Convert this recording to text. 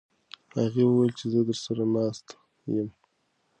هغې وویل چې زه درسره ناسته یم.